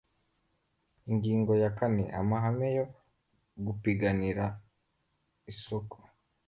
ingingo ya kane amahame yo gupiganira isoko